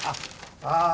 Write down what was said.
ああ。